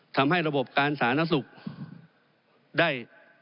ทำให้ระบบการสาธารณสุขได้